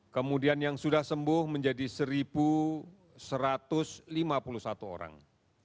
kemudian yang sudah sembuh menjadi satu satu ratus lima puluh satu orang